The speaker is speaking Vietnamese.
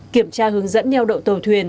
kiểm tra hướng dẫn nheo đậu tàu thuyền